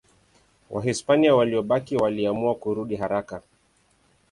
Wahispania waliobaki waliamua kurudi haraka.